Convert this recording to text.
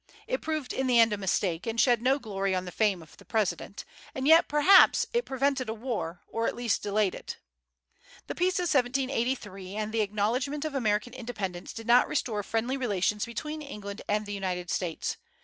It proved in the end a mistake, and shed no glory on the fame of the President; and yet it perhaps prevented a war, or at least delayed it. The peace of 1783 and the acknowledgment of American independence did not restore friendly relations between England and the United States.